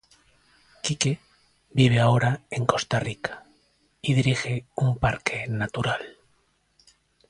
Kike vive ahora en Costa Rica y dirige un parque natural.